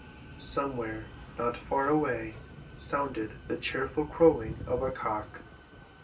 Somewhere, not far away, sounded the cheerful crowing of a cock.